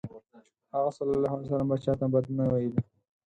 هغه ﷺ به چاته بد نه ویلی.